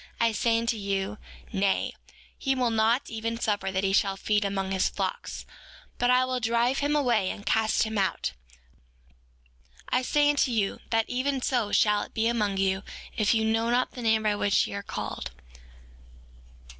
I say unto you, Nay; he will not even suffer that he shall feed among his flocks, but will drive him away, and cast him out. I say unto you, that even so shall it be among you if ye know not the name by which ye are called.